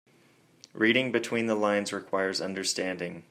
Reading between the lines requires understanding.